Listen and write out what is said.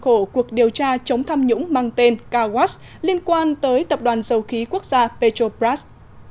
khổ cuộc điều tra chống tham nhũng mang tên kawas liên quan tới tập đoàn dầu khí quốc gia petropras